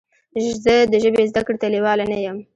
زه د ژبې زده کړې ته لیواله نه یم.